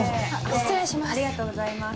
失礼します。